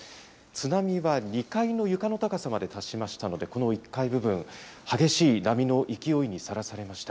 津波は２階の床の高さまで達しましたので、この１階部分、激しい波の勢いにさらされました。